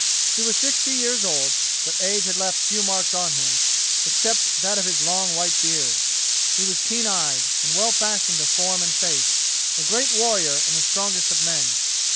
He was sixty years old, but age had left few marks on him, except that of his long white beard. He was keen eyed, and well fashioned of form and face, a great warrior and the strongest of men.